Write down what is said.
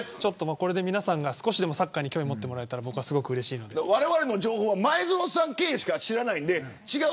これで皆さんが少しでもサッカーに興味を持ってくれたらわれわれは前園さん経由からしか知らないので。